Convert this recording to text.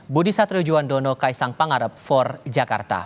budi satrio juwandono kaisang pangarep for jakarta